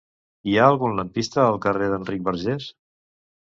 Hi ha algun lampista al carrer d'Enric Bargés?